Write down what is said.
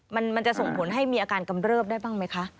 มันจะส่งผลให้มีอาการกำเริบได้บ้างไหมคะ